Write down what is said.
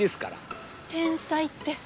天才って。